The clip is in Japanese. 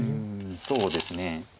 そうですね。